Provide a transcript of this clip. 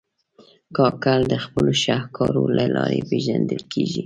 کاکړ د خپلو شهکارو له لارې پېژندل کېږي.